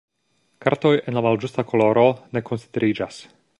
Kartoj en la malĝusta koloro, ne konsideriĝas.